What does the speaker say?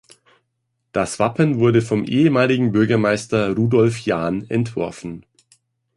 Das Wappen wurde vom ehemaligen Bürgermeister Rudolf Jahn entworfen.